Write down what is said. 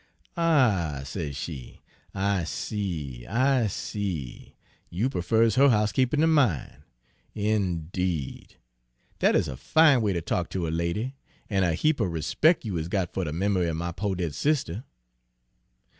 "'Ah,' says she,' I see I see! You perfers her housekeepin' ter mine, indeed! Dat is a fine way ter talk ter a lady! An' a heap er rispec' you is got fer de mem'ry er my po' dead sister!'